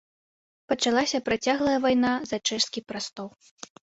Пачалася працяглая вайна за чэшскі прастол.